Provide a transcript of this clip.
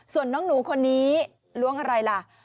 ส่วนน้องหนูคนนี้ล้วงอะไรล่ะ